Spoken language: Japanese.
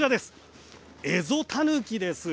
エゾタヌキです。